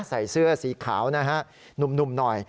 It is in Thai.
ใส่เสื้อสีขาวนะฮะหนุ่มหน่อย